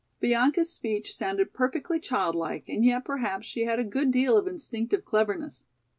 Bianca's speech sounded perfectly childlike and yet perhaps she had a good deal of instinctive cleverness.